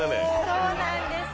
そうなんです。